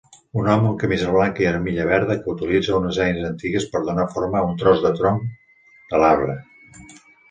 Un home amb camisa blanca i armilla verda que utilitza unes eines antigues per donar forma a un tros del tronc de l'arbre